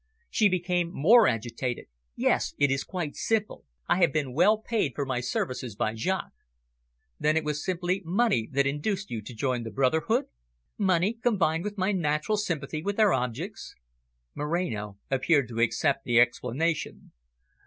She became more agitated. "Yes, it is quite simple. I have been well paid for my services by Jaques." "Then it was simply money that induced you to join the brotherhood?" "Money, combined with my natural sympathy with their objects." Moreno appeared to accept the explanation.